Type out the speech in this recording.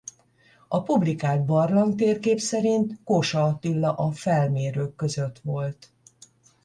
A publikált barlangtérkép szerint Kósa Attila a felmérők között volt.